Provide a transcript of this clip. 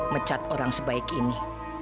mecat orang sebaik ini